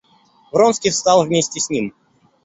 Вронский встал вместе с ним.